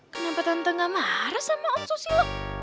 kenapa tante gak marah sama om susilo